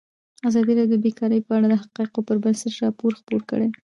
ازادي راډیو د بیکاري په اړه د حقایقو پر بنسټ راپور خپور کړی.